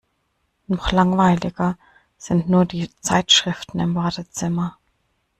Noch langweiliger sind nur die Zeitschriften im Wartezimmer.